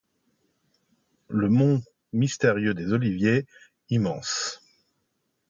le mont mystérieux des oliviers immenses !